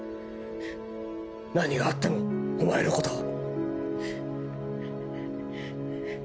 何があってもお前のことを。